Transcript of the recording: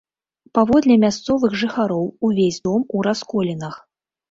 Паводле мясцовых жыхароў, увесь дом у расколінах.